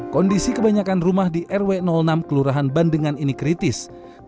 kondisi kebanyakan rumah di rw enam kelurahan bandengan ini kritis